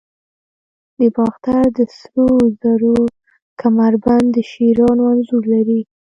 د باختر د سرو زرو کمربند د شیرانو انځور لري